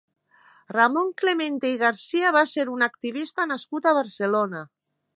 Ramon Clemente i Garcia va ser un activista nascut a Barcelona.